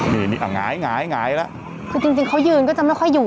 นี่นี่อ่ะหงายแล้วคือจริงจริงเขายืนก็จะไม่ค่อยอยู่